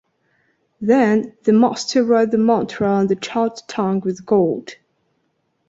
Then, the master writes the mantra on the child's tongue with gold.